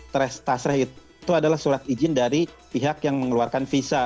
tes tasrah itu adalah surat izin dari pihak yang mengeluarkan visa